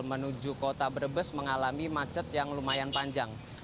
menuju kota brebes mengalami macet yang lumayan panjang